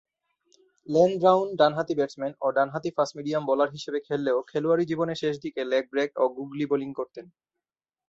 Lane Brown ডানহাতি batsman ও ডানহাতি ফাস্ট-মিডিয়াম বোলার হিসেবে খেললেও খেলোয়াড়ী জীবনের শেষদিকে লেগ ব্রেক ও গুগলি বোলিং করতেন।